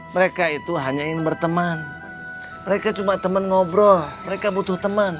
mereka itu hanya ingin berteman mereka cuma teman ngobrol mereka butuh teman